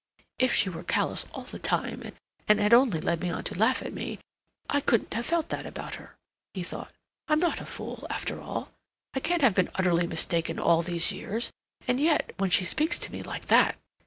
"If she were callous all the time and had only led me on to laugh at me I couldn't have felt that about her," he thought. "I'm not a fool, after all. I can't have been utterly mistaken all these years. And yet, when she speaks to me like that!